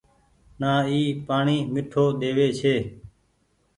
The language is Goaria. نآ اي پآڻيٚ ميٺو ۮيوي ڇي ۔